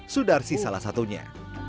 sudarsi salah satunya